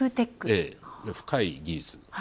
深い技術。